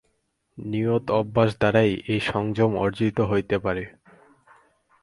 নিয়ত অভ্যাস দ্বারাই এই সংযম অর্জিত হইতে পারে।